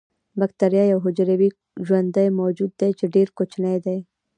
باکتریا یو حجروي ژوندی موجود دی چې ډیر کوچنی دی